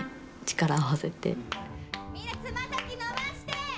みんな爪先伸ばして！